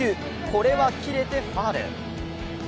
これは切れてファウル。